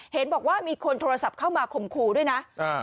เห็นบอกว่ามีคนโทรศัพท์เข้ามาข่มขู่ด้วยนะ